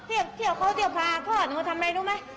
เที่ยวเขาเที่ยวพาทอดหนูทำอะไรรู้ไหม